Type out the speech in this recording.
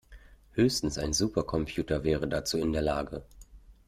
Höchstens ein Supercomputer wäre dazu in der Lage.